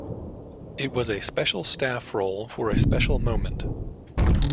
It was a special staff roll for a special moment.